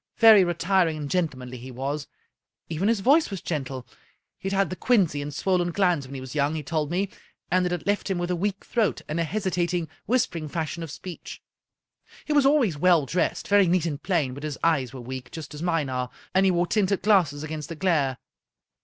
Very retiring and gentlemanly he was. Even his voice was gentle. He'd had the quinsy and swollen glands when he was young, he told me, and it had left him with a weak throat and a hesitat ing, whispering fashion of speech. He was always well dressed, very neat and plain, but his eyes were weak, just as mine are, and he wore tinted glasses against the glare."